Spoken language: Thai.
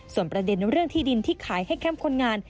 ส่วนประเด็นเรื่องที่ดินที่ขายให้เข้มคนงาน